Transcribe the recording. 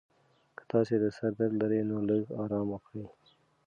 که تاسي د سر درد لرئ، نو لږ ارام وکړئ.